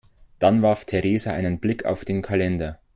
Dann warf Theresa einen Blick auf den Kalender.